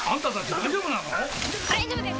大丈夫です